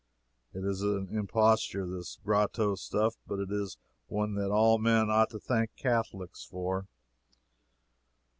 It is an imposture this grotto stuff but it is one that all men ought to thank the Catholics for.